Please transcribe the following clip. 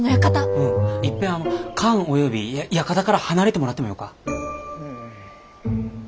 うんいっぺんあの館および館から離れてもらってもよか？